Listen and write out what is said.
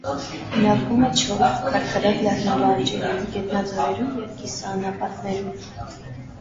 Բնակվում է չոր, քարքարոտ լեռնալանջերին, գետաձորերում և կիսաանապատներում։